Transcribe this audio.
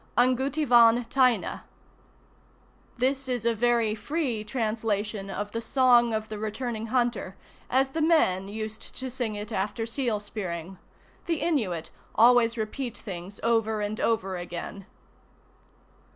'ANGUTIVAUN TAINA' [This is a very free translation of the Song of the Returning Hunter, as the men used to sing it after seal spearing. The Inuit always repeat things over and over again.